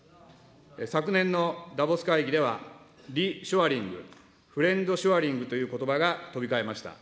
昨年のダボス会議では、リショアリング、フレンドショアリングということばが飛び交いました。